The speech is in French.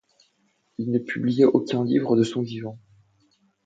Il ne publia aucun livre de son vivant.